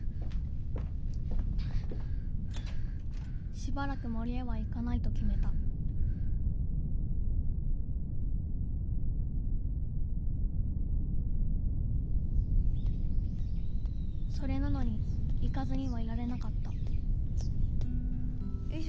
しばらくもりへは行かないときめたそれなのに行かずにはいられなかったよいしょ。